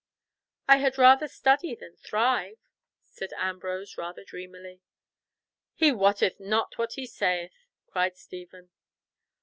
"I had rather study than thrive," said Ambrose rather dreamily. "He wotteth not what he saith," cried Stephen.